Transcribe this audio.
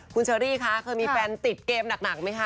คุณเชอรี่คะเคยมีแฟนติดเกมหนักไหมคะ